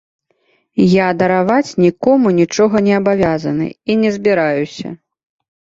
Я дараваць нікому нічога не абавязаны, і не збіраюся.